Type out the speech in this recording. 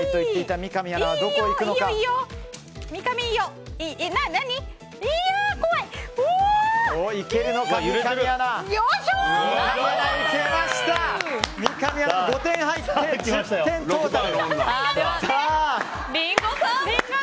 三上アナ、５点入って１０点トータル。